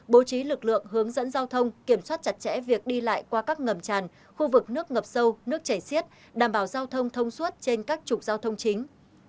bố trí lực lượng hướng dẫn giao thông kiểm soát chặt chẽ việc đi lại qua các ngầm tràn khu vực nước ngập sâu nước chảy xiết đảm bảo giao thông thông suốt trên các trục giao thông chính